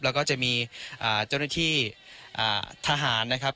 แล้วก็จะมีเจ้าหน้าที่ทหารนะครับ